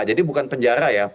jadi bukan penjara ya